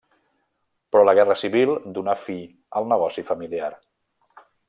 Però la Guerra Civil donà fi al negoci familiar.